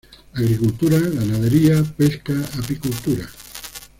Agricultura, ganadería, pesca, apicultura.